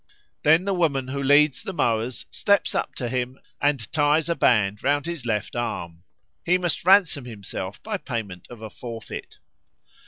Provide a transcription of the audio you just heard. Then the woman who leads the mowers steps up to him and ties a band round his left arm. He must ransom himself by payment of a forfeit.